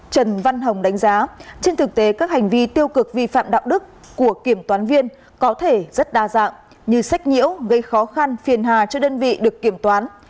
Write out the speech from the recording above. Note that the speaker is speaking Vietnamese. trần văn hồng đánh giá trên thực tế các hành vi tiêu cực vi phạm đạo đức của kiểm toán viên có thể rất đa dạng như sách nhiễu gây khó khăn phiền hà cho đơn vị được kiểm toán